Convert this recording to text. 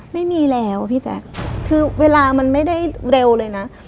ไม่มีแล้วพี่แจ๊คคือเวลามันไม่ได้เร็วเลยนะ